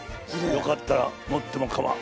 よかったら持ってもかまわん。